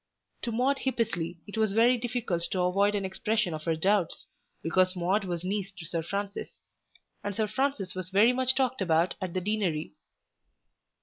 To Maude Hippesley it was very difficult to avoid an expression of her doubts, because Maude was niece to Sir Francis. And Sir Francis was much talked about at the Deanery.